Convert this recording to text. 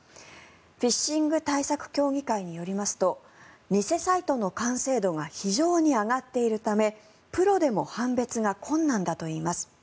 フィッシング対策協議会によりますと偽サイトの完成度が非常に上がっているためプロでも判別が困難だといいます。